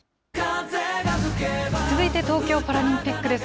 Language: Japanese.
続いて東京パラリンピックです。